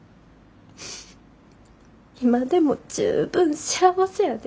今でも十分幸せやで。